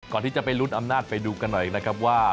ก่อนที่จะไปลุ้นอำนาจไปดูกันหน่อยนะครับว่า